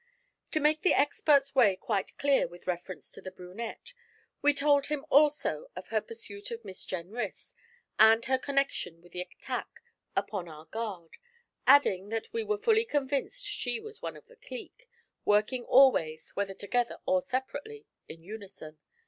To make the expert's way quite clear with reference to the brunette, we told him also of her pursuit of Miss Jenrys and her connection with the attack upon our guard, adding that we were fully convinced she was one of a clique, working always, whether together or separately, in unison.